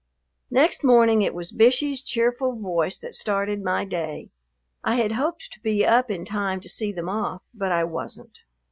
Next morning it was Bishey's cheerful voice that started my day. I had hoped to be up in time to see them off, but I wasn't.